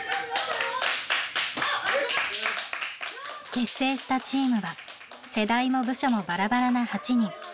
結成したチームは世代も部署もバラバラな８人。